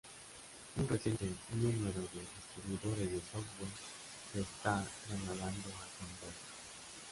Un reciente número de distribuidores de software se está trasladando a Canberra.